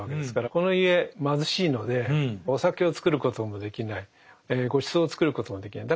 この家貧しいのでお酒を造ることもできないごちそうを作ることもできない。